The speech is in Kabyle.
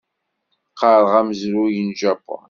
Qqareɣ amezruy n Japun.